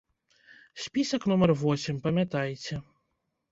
Спісак нумар восем, памятайце!